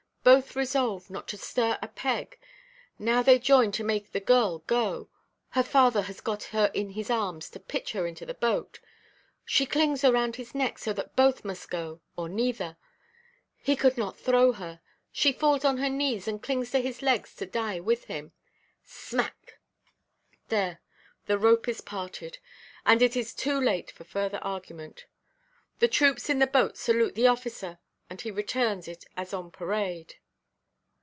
Both resolved not to stir a peg; now they join to make the girl go. Her father has got her in his arms to pitch her into the boat; she clings around his neck so that both must go, or neither. He could not throw her; she falls on her knees, and clings to his legs to die with him. Smack—there, the rope is parted, and it is too late for further argument. The troops in the boat salute the officer, and he returns it as on parade."